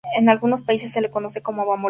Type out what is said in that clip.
En algunos países se le conoce como Bamboleo.